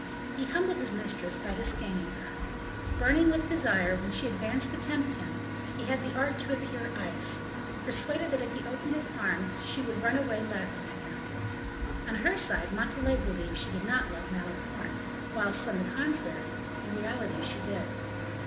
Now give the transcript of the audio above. He humbled his mistress by disdaining her. Burning with desire, when she advanced to tempt him, he had the art to appear ice, persuaded that if he opened his arms, she would run away laughing at him. On her side, Montalais believed she did not love Malicorne; whilst, on the contrary, in reality she did.